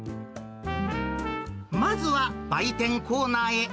まずは売店コーナーへ。